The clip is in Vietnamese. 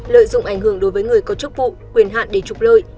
lợi dụng ảnh hưởng đối với người có chức vụ quyền hạn để trục lợi